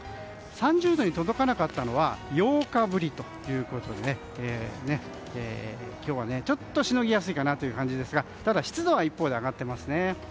３０度に届かなかったのは８日ぶりということで今日はちょっとしのぎやすいかなという感じですがただ湿度は一方で上がっていますね。